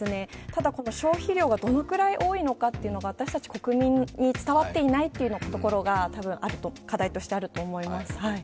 ただこの消費量がどのくらい多いのかは私たち国民に伝わっていないというのが課題としてあると思います。